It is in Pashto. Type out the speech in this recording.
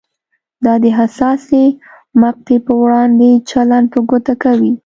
دا د حساسې مقطعې پر وړاندې چلند په ګوته کوي.